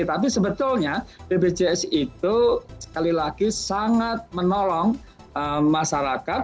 tapi sebetulnya bpjs itu sekali lagi sangat menolong masyarakat